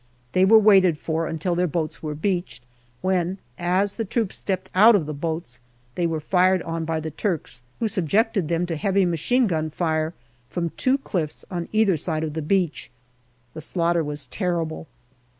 They were waited for until their boats were beached, when, as the troops stepped out of the boats, they were fired on by the Turks, who subjected them to heavy machine gun fire from two cliffs on either side of the beach. The slaughter was terrible.